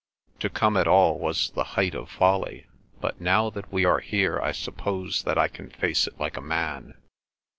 To come at all was the height of folly, but now that we are here I suppose that I can face it like a man.